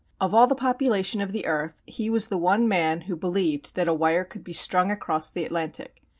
Of all the population of the earth he was the one man who believed that a wire could be strung across the Atlantic.